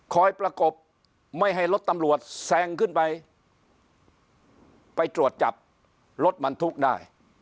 ประกบไม่ให้รถตำรวจแซงขึ้นไปไปตรวจจับรถบรรทุกได้